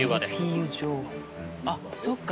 あっそっか。